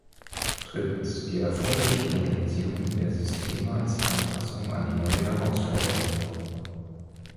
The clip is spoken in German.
Drittens, die erforderliche Modernisierung der Systeme als Anpassung an die neue Herausforderung.